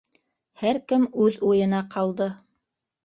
Һәр кем үҙ уйына ҡалды.